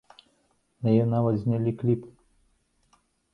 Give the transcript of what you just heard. На яе нават знялі кліп.